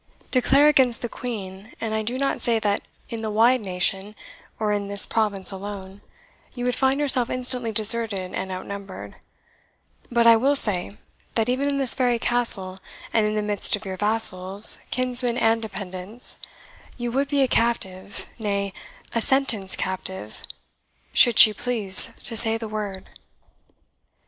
Declare against the Queen, and I do not say that in the wide nation, or in this province alone, you would find yourself instantly deserted and outnumbered; but I will say, that even in this very Castle, and in the midst of your vassals, kinsmen, and dependants, you would be a captive, nay, a sentenced captive, should she please to say the word.